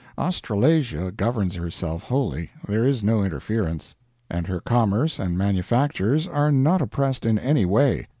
Australasia governs herself wholly there is no interference; and her commerce and manufactures are not oppressed in any way.